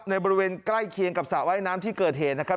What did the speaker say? บริเวณใกล้เคียงกับสระว่ายน้ำที่เกิดเหตุนะครับ